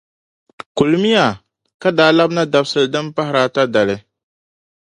Kulimiya ka daa labina dabisili din pahiri ata dali.